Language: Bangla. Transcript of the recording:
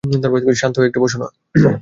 শান্ত হয়ে একটু বসো না।